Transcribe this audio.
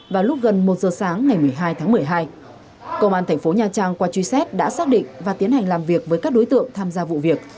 vào lúc gần một giờ sáng ngày một mươi hai tháng một mươi hai công an thành phố nha trang qua truy xét đã xác định và tiến hành làm việc với các đối tượng tham gia vụ việc